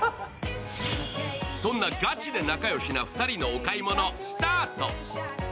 そんなガチで仲よしの２人のお買い物スタート。